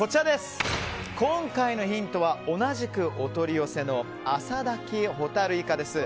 今回のヒントは同じくお取り寄せの浅炊きほたるいかです。